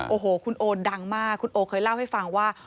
โอ้โหคุณโอดังมากคุณโอเคยเล่าให้ฟังว่า